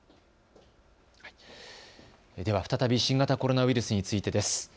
では再び新型コロナウイルスについてです。